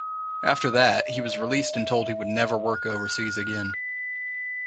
After that, he was released and told he would never work overseas again.